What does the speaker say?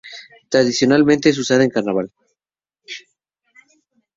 Tradicionalmente es usada en carnaval.